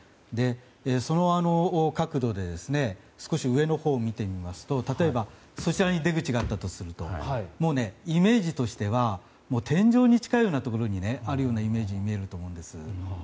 その角度で少し上のほうを見てみますと例えば、上のほうに出口があったとするとイメージとしては天井に近いところにあるイメージだと思うんです。